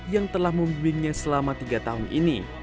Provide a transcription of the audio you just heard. yang telah membimbingnya selama tiga tahun ini